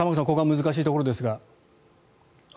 ここは難しいところですが。